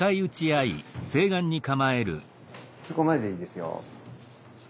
そこまででいいですよ。